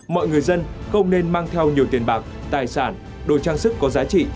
mọi người dân không nên mang theo nhiều tiền bạc tài sản đồ trang sức có giá trị